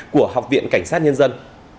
của học viện cảnh sát nhân dân